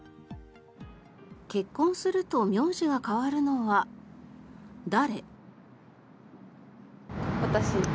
結婚すると名字が変わるのは誰？